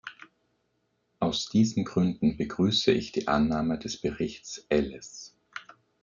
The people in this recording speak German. Aus diesen Gründen begrüße ich die Annahme des Berichts Elles.